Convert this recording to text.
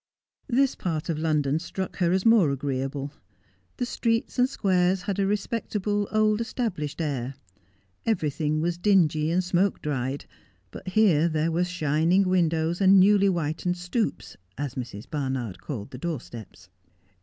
This part of London struck her as more agreeable. The streets and squares had a respectable, old established air. Everything wai dingy and smoke dried ; but here there were shinino win 146 Just as 1 Am. dows, and newly whitened stoops, as Mrs. Barnard called the doorsteps.